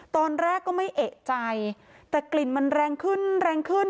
ตอนแรกก็ไม่เอกใจแต่กลิ่นมันแรงขึ้นแรงขึ้น